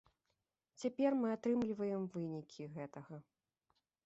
Цяпер мы атрымліваем вынікі гэтага.